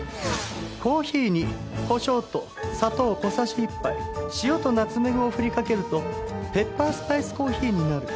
コーヒーにこしょうと砂糖小さじ１杯塩とナツメグを振りかけるとペッパースパイスコーヒーになる。